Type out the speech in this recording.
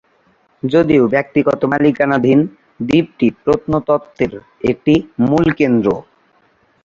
যদিও ব্যক্তিগত মালিকানাধীন, দ্বীপটি প্রত্নতত্ত্বের একটি মূল কেন্দ্র।